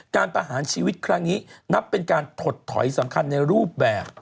ประหารชีวิตครั้งนี้นับเป็นการถดถอยสำคัญในรูปแบบ